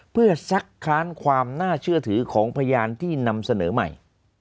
เพื่อซักค้านความน่าเชื่อถือของพยานที่นำเสนอใหม่